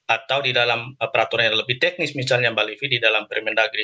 atau di dalam peraturan yang lebih teknis misalnya mbak livi di dalam permendagri